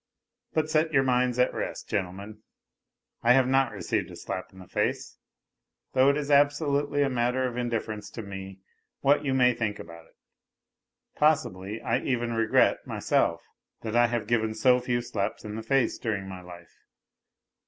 But set your minds at rest, gentlemen, I have not received a slap in tike face, though it is absolutely a matter of indifference to me what JOB may think about it. Possibly, I even regret, myself, that I have given so lew slaps in the face during my file.